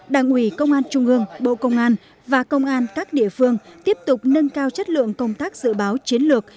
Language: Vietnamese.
đảng ủy công an trung ương bộ công an và công an các địa phương tiếp tục nâng cao chất lượng công tác dự báo chiến lược